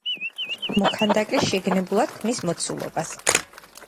მოქანდაკე შეგნებულად ქმნის მოცულობას.